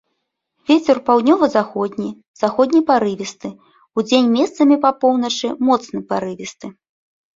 Вецер паўднёва-заходні, заходні парывісты, удзень месцамі па поўначы моцны парывісты.